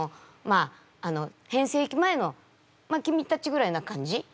あの変声期前のまあ君たちぐらいな感じ。